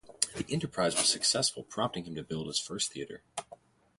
The enterprise was successful, prompting him to build his first theatre.